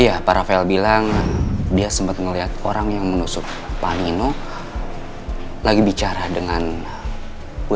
iya pak rafael bilang dia sempat melihat orang yang menusuk pak nino lagi bicara dengan ibu